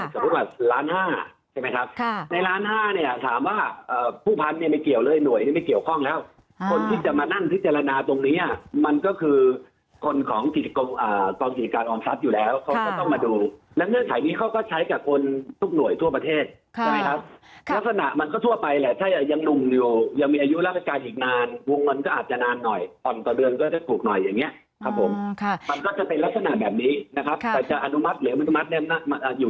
สมมุติว่าล้านห้าใช่ไหมครับในล้านห้าเนี่ยถามว่าผู้พันธุ์เนี่ยไม่เกี่ยวเลยหน่วยเนี่ยไม่เกี่ยวข้องแล้วคนที่จะมานั่นพิจารณาตรงนี้มันก็คือคนของกองจิตการออมทรัพย์อยู่แล้วเขาก็ต้องมาดูแล้วเงื่อนไขนี้เขาก็ใช้กับคนทุกหน่วยทั่วประเทศใช่ไหมครับลักษณะมันก็ทั่วไปแหละถ้ายังหนุ่มอยู่ยังมีอายุ